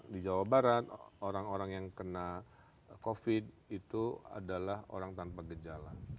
di jawa barat orang orang yang kena covid itu adalah orang tanpa gejala